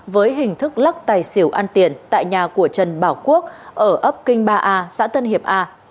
với hình thức lắc tài xỉu ăn tiền tại nhà của trần bảo quốc ở ấp kinh ba a xã tân hiệp a